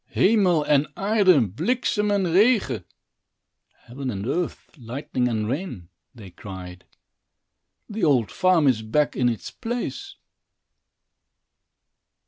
"Hemel en aard, bliksem en regen" (Heaven and earth, lightning and rain), they cried, "the old farm is back in its place."